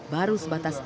baru sebatas imbauan